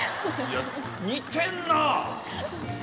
似てんな！